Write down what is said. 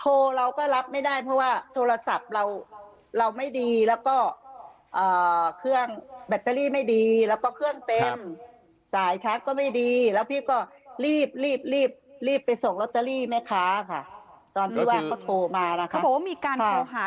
โทรเราก็รับไม่ได้เพราะว่าโทรศัพท์เราไม่ดีแล้วก็เครื่องแบตเตอรี่ไม่ดีแล้วก็เครื่องเต็มจ่ายชั้นก็ไม่ดีแล้วพี่ก็รีบรีบรีบรีบไปส่งลอตเตอรี่ไหมคะค่ะตอนที่ว่าก็โทรมานะคะ